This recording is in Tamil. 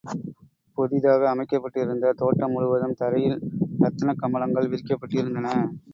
புதிதாக அமைக்கப்பட்டிருந்த தோட்டம் முழுவதும் தரையில் ரத்னக் கம்பளங்கள் விரிக்கப் பட்டிருந்தன.